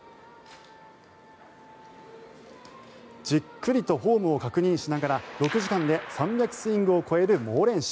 じっくりとフォームを確認しながら６時間で３００スイングを超える猛練習。